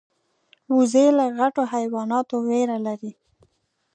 وزې له غټو حیواناتو ویره لري